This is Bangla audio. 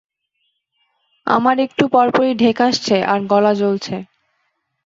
আমার একটু পরপরই ঢেক আসছে আর গলা জলছে।